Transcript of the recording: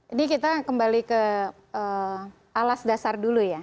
ini kita kembali ke alas dasar dulu ya